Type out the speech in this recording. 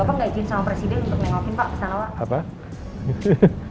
bapak gak izin sama presiden untuk nengokin pak